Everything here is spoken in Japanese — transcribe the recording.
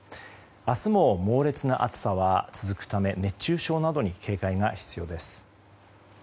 明日も猛烈な暑さは続くため熱中症などに警戒が必要です。